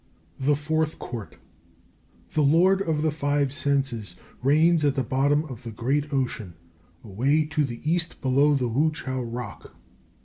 THE FOURTH COURT. The Lord of the Five Senses reigns at the bottom of the great Ocean, away to the east below the Wu chiao rock.